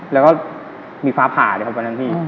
แล้วก็มีฟ้าผ่าเลยครับวันนั้นพี่